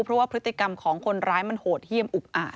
เพราะว่าพฤติกรรมของคนร้ายมันโหดเยี่ยมอุกอาจ